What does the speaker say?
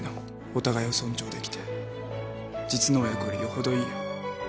お互いを尊重できて実の親子よりよほどいいよ。